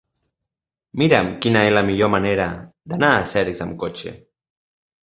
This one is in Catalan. Mira'm quina és la millor manera d'anar a Cercs amb cotxe.